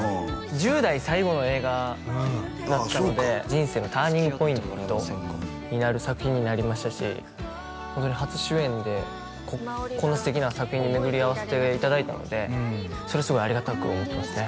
人生のターニングポイントになる作品になりましたしホントに初主演でこんな素敵な作品に巡り合わせていただいたのでそれはすごいありがたく思ってますね